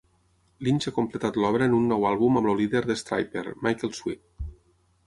Lynch ha completat l'obra en un nou àlbum amb el líder de Stryper, Michael Sweet.